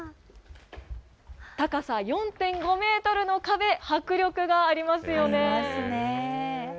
高さ４．５メートルの壁、迫力がありますね。